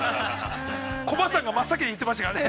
◆コバさんが真っ先に言ってましたからね。